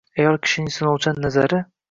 Ayol kishining sinovchan Nazari